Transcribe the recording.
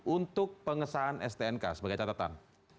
untuk pengesahan stnk sebagai catatan